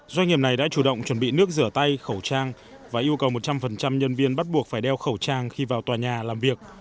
doanh nghiệp này đã chủ động chuẩn bị nước rửa tay khẩu trang và yêu cầu một trăm linh nhân viên bắt buộc phải đeo khẩu trang khi vào tòa nhà làm việc